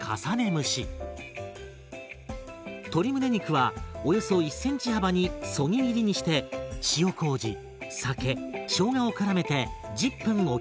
鶏むね肉はおよそ１ｃｍ幅にそぎ切りにして塩こうじ酒しょうがをからめて１０分おきます。